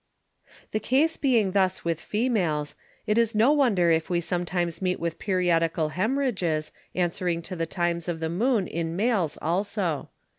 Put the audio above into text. The Case being thus with Females, it is no wonder if we sometimes meet with Periodical Hæmorrhages answering to the times of the Moon in Males also.